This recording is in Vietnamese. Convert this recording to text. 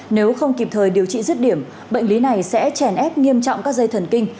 nếu không kịp thời điều trị rứt điểm bệnh lý này sẽ chèn ép nghiêm trọng các dây thần kinh